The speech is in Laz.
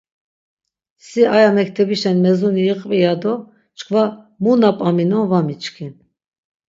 Si aya mektebişen mezuni iqvi yado çkva mu na p̆aminon va miçkin.